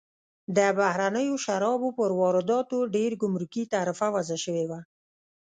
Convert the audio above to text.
د بهرنیو شرابو پر وارداتو ډېر ګمرکي تعرفه وضع شوې وه.